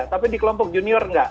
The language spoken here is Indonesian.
tapi di kelompok junior nggak